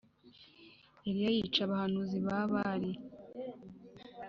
Eliya yica abahanuzi ba Bāli